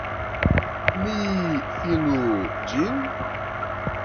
Ni finu ĝin?